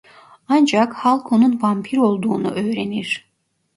Ancak halk onun vampir olduğunu öğrenir.